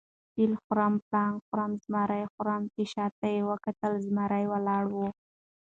فیل خورم، پړانګ خورم، زمرى خورم . چې شاته یې وکتل زمرى ولاړ وو